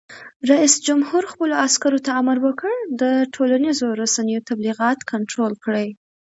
رئیس جمهور خپلو عسکرو ته امر وکړ؛ د ټولنیزو رسنیو تبلیغات کنټرول کړئ!